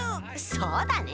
そうだね。